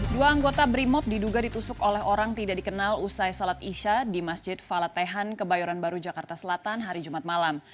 dua anggota brimob diduga ditusuk oleh orang tidak dikenal usai salat isya di masjid falatehan kebayoran baru jakarta selatan hari jumat malam